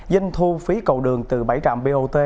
doanh thu phí cầu đường từ bảy trạm bot